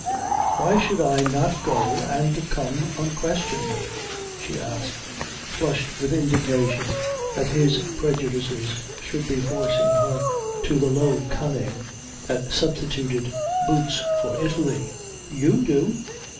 "Why should I not go and come unquestioned?" she asked, flushed with indignation that his prejudices should be forcing her to the low cunning that substituted boots for Italy. "You do."